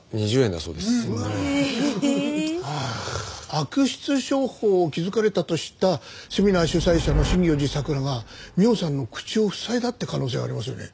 悪質商法を気づかれたと知ったセミナー主催者の真行寺桜が美緒さんの口を塞いだって可能性ありますよね。